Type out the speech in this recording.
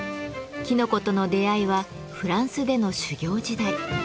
きのことの出会いはフランスでの修業時代。